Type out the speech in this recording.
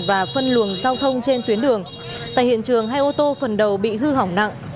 và phân luồng giao thông trên tuyến đường tại hiện trường hai ô tô phần đầu bị hư hỏng nặng